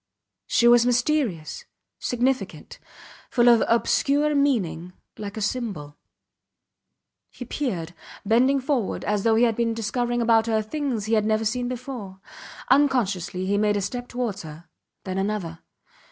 She was mysterious, significant, full of obscure meaning like a symbol. He peered, bending forward, as though he had been discovering about her things he had never seen before. Unconsciously he made a step towards her then another.